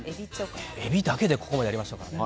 エビだけでここまでやりましたからね。